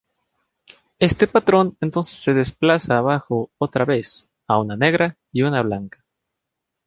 Este patrón entonces se desplaza abajo otra vez, a una negra y una blanca.